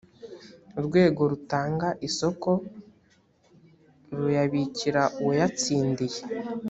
urwego rutanga isoko ruyabikira uwatsindiye